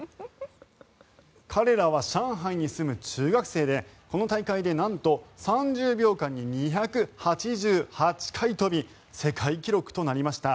彼らは上海に住む中学生でこの大会でなんと３０秒間に２８８回跳び世界記録となりました。